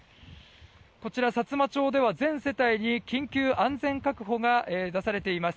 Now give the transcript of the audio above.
こちら、さつま町では全世帯に緊急安全確保が出されています。